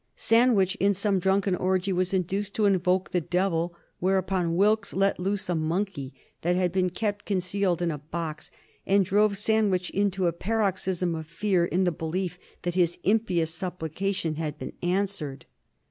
Sandwich, in some drunken orgy, was induced to invoke the devil, whereupon Wilkes let loose a monkey, that had been kept concealed in a box, and drove Sandwich into a paroxysm of fear in the belief that his impious supplication had been answered.